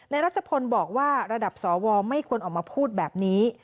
รัชพลบอกว่าระดับสวไม่ควรออกมาพูดแบบนี้